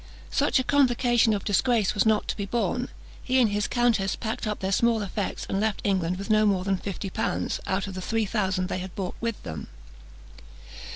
Such a complication of disgrace was not to be borne. He and his countess packed up their small effects, and left England with no more than fifty pounds, out of the three thousand they had brought with them.